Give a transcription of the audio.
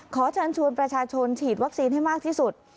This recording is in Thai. ขอเชิญชวนประชาชนฉีดวัคซีนให้มากที่สุด